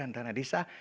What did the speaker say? dan pencairan dana desa